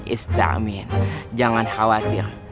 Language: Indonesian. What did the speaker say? istamin jangan khawatir